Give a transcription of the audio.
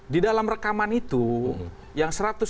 di dalam rekaman itu yang satu ratus sembilan puluh